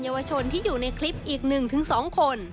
เยาวชนที่อยู่ในคลิปอีก๑๒คน